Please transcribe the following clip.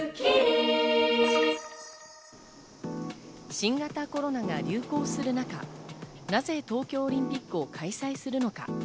新型コロナが流行する中、なぜ東京オリンピックを開催するのか。